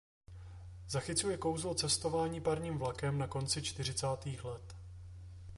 Zachycuje kouzlo cestování parním vlakem na konci čtyřicátých let.